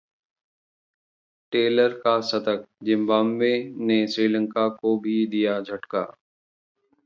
Taylor का शतक, Zimbabwe ने श्रीलंका को भी दिया झटका